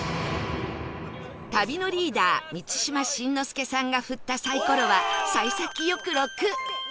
旅のリーダー満島真之介さんが振ったサイコロは幸先良く「６」